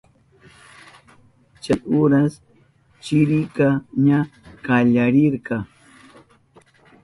Chay uras chirika ña kallarirka.